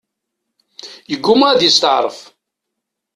Yegguma ad yesteɛref.